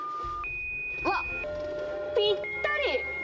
あっぴったり！